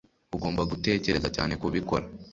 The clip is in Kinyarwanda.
Ugomba gutekereza cyane kubikora